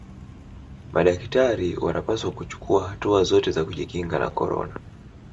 madakitari wanapaswa kuchukua hatua zote za kujikinga na korona